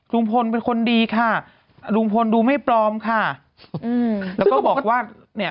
ลุงพลเป็นคนดีค่ะลุงพลดูไม่ปลอมค่ะอืมแล้วก็บอกว่าเนี่ย